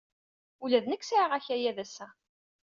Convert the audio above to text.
Ula d nekk sɛiɣ akayad ass-a.